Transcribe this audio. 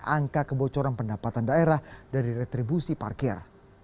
angka kebocoran pendapatan daerah dari retribusi parkir